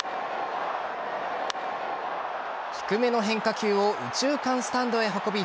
低めの変化球を右中間スタンドへ運び